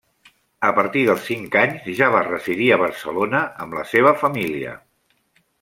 A partir dels cinc anys ja va residir a Barcelona amb la seva família.